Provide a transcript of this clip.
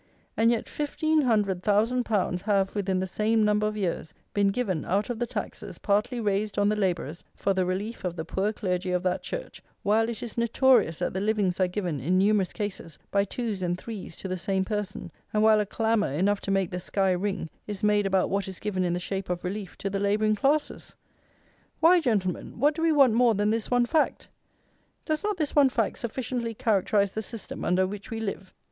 And yet fifteen hundred thousand pounds have, within the same number of years, been given, out of the taxes, partly raised on the labourers, for the relief of the poor clergy of that Church, while it is notorious that the livings are given in numerous cases by twos and threes to the same person, and while a clamour, enough to make the sky ring, is made about what is given in the shape of relief to the labouring classes! Why, Gentlemen, what do we want more than this one fact? Does not this one fact sufficiently characterize the system under which we live?